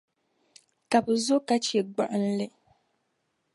Ka bɛ zo ka chɛ gbuɣinli.